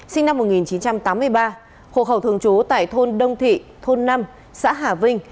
sinh năm một nghìn chín trăm tám mươi ba hộ khẩu thường trú tại thôn đông thị thôn năm xã hà vinh